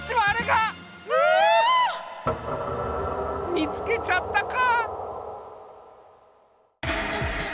見つけちゃったか！